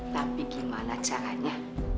tapi gimana caranya